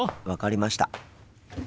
分かりました。